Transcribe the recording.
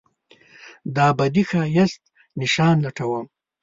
دابدي ښایست نشان لټوم